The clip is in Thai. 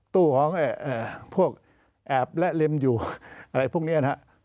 ตู้ของพวกแอบและเล่มอยู่อะไรพวกนี้